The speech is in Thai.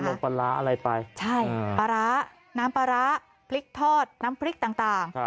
ปลาร้าอะไรไปใช่ปลาร้าน้ำปลาร้าพริกทอดน้ำพริกต่าง